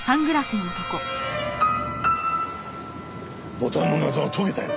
ボタンの謎が解けたよ。